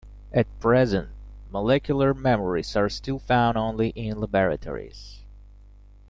At present, molecular memories are still found only in laboratories.